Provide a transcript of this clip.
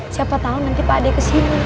siapa tau nanti pak deh kesini